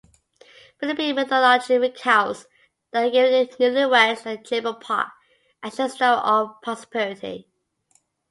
Philippine mythology recounts that giving newlyweds a chamberpot assures them of prosperity.